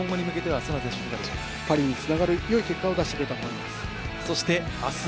パリにつながるよい結果を出してくれたと思います。